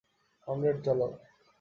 Conrad, চলো।